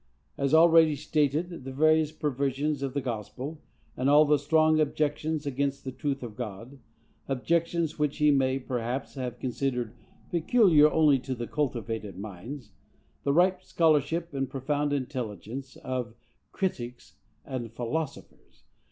As already stated, the various perversions of the gospel, and all the strong objections against the truth of God,—objections which he may, perhaps, have considered peculiar only to the cultivated minds, the ripe scholarship and profound intelligence, of critics and philosophers!